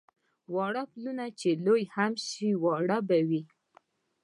واړه پلونه چې لوی هم شي واړه به وي.